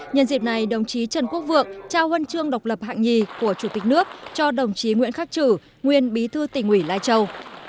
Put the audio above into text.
nhân dịp này đồng chí trần quốc vượng trao huân chương độc lập hạng nhì của chủ tịch nước cho đồng chí nguyễn khắc trử nguyên bí thư tỉnh ủy lai châu